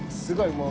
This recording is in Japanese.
すごい！